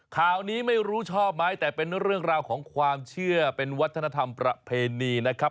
ข่าวนี้ไม่รู้ชอบไหมแต่เป็นเรื่องราวของความเชื่อเป็นวัฒนธรรมประเพณีนะครับ